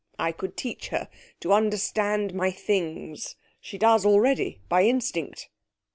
I could teach her to understand my Things. She does already by instinct.'